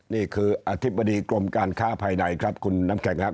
นี่คืออธิบดีกรมการค้าภายในครับคุณน้ำแข็งครับ